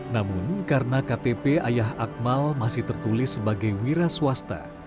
namun karena ktp ayah akmal masih tertulis sebagai wira swasta